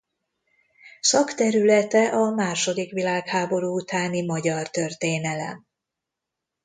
Szakterülete a második világháború utáni magyar történelem.